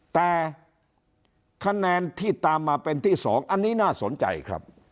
แต่คะแนนที่ตามมาเป็นที่๒อันนี้น่าสนใจครับ